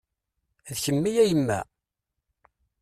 D kemmi a yemma?